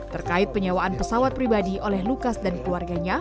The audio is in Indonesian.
terkait penyewaan pesawat pribadi oleh lukas dan keluarganya